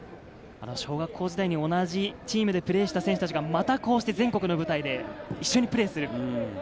小学校時代に同じチームでプレーした選手たちがまたこうして全国の舞台で一緒にプレーする。